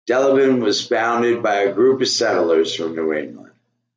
Delavan was founded by a group of settlers from New England.